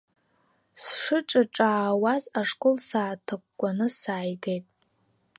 Сшыҿаа-ҿаауаз ашкол сааҭыкәкәааны сааигеит!